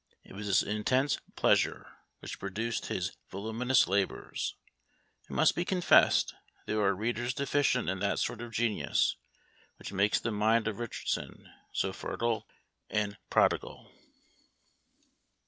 It was this intense pleasure which produced his voluminous labours. It must be confessed there are readers deficient in that sort of genius which makes the mind of Richardson so fertile and prodigal.